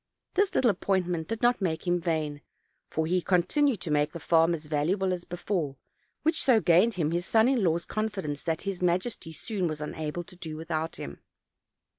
This little appointment did not make him vain; for he continued to make the farm as valuable as before, which so gained him his son in law's confidence that his majesty soon was unable to do without him.